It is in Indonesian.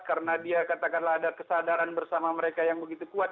karena dia katakanlah ada kesadaran bersama mereka yang begitu kuat